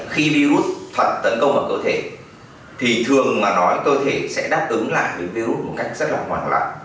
khi virus thật tấn công vào cơ thể thì thường mà nói cơ thể sẽ đáp ứng lại virus một cách rất là hoảng loạn